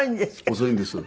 遅いんです。